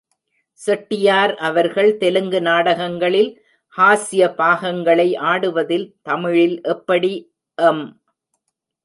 செட்டியார் அவர்கள், தெலுங்கு நாடகங்களில் ஹாஸ்ய பாகங்களை ஆடுவதில், தமிழில் எப்படி எம்.